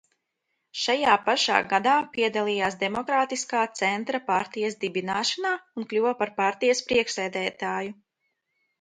Šajā pašā gadā piedalījās Demokrātiskā Centra partijas dibināšanā un kļuva par partijas priekšsēdētāju.